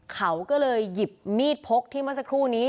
เขาก็เลยหยิบมีดพกที่เมื่อสักครู่นี้